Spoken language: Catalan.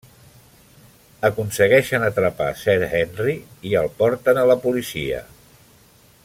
Aconsegueixen atrapar Sir Henry i el porten a la policia.